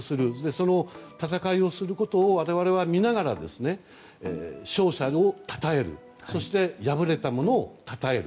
その戦いをすることを我々は見ながらですね勝者をたたえるそして敗れた者をたたえる。